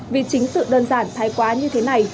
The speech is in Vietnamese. vì chính sự đơn giản thay quá như thế này